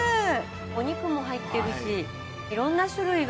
お肉も入ってるしいろんな種類が。